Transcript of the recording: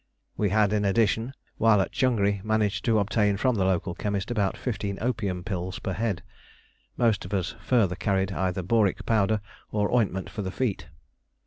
We had in addition, while at Changri, managed to obtain from the local chemist about fifteen opium pills per head. Most of us further carried either boric powder or ointment for the feet.